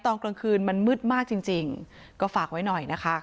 ตอนกลางคืนมันมืดมากจริงจริงก็ฝากไว้หน่อยนะคะ